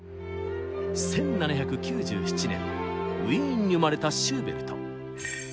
１７９７年ウィーンに生まれたシューベルト。